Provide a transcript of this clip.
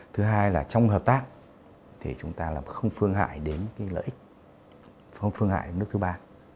thứ hai là trong hợp tác thì chúng ta không phương hại đến lợi ích không phương hại đến nước thứ ba